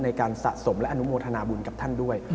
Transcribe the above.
สะสมและอนุโมทนาบุญกับท่านด้วย